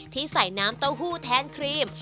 ที่ใส่น้ำเต้าหู้แทนครีม